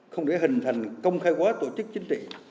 không để hình thành công khai quá tổ chức chính trị